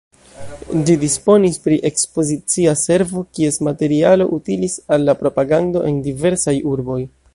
Ĝi disponis pri Ekspozicia Servo, kies materialo utilis al la propagando en diversaj urboj.